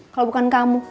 kalo bukan kamu